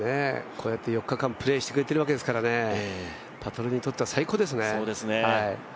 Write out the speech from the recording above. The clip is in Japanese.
こうやって４日間プレーしてくれているわけですからパトロンにとっては最高ですね。